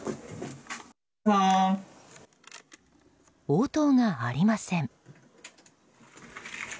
応答がありません。